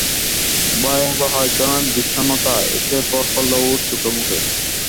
ভয়াবহ একধরনের বিষন্নতা এসে ভর করল ওর চোখেমুখে।